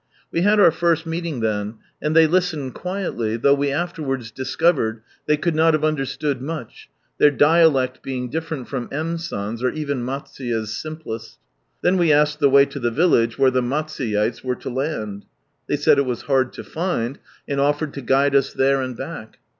We had our first meeting then, and they listened quiedy, though we afterwards discovered they could not have understood much, their dialect being difl^erent from NL San's, or even Matsuye's simplest. Then we asked the way to the village where the Matsuyeites were to land. They said it was hard to find, and offered to guide us there and back.